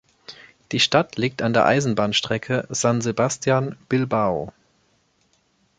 Die Stadt liegt an der Eisenbahnstrecke San Sebastian—Bilbao.